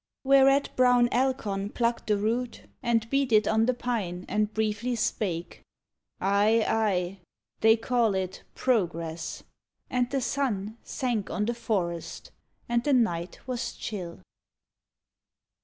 Whereat brown Alcon plucked a root And beat it on the pine, and briefly spake: "Aye! aye I they call it 'progress' I" And the sun Sank on the forest, and the night was chill.